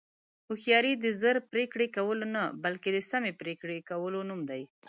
هوښیاري د ژر پرېکړې کولو نه، بلکې د سمې پرېکړې کولو نوم دی.